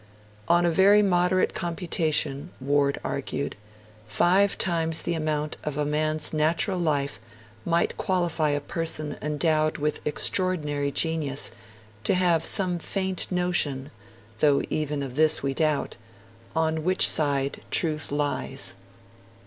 'On a very moderate computation, Ward argued, 'five times the amount of a man's natural life might qualify a person endowed with extraordinary genius to have some faint notion (though even this we doubt) on which side truth lies.'